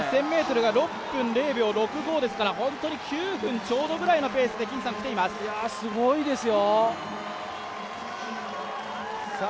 ２０００ｍが６分０秒６５ですからホントに９分ちょうどぐらいのペースで来ています。